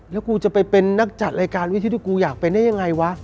แล้วกูจะไปเป็นนักจัดรายการวิทธิที่กูอยากเป็นได้ยังไงวะ